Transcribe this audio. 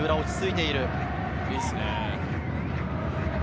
いいですね。